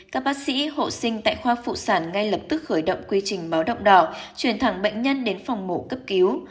các bác sĩ hộ sinh tại khoa phụ sản ngay lập tức khởi động quy trình báo động đỏ chuyển thẳng bệnh nhân đến phòng mổ cấp cứu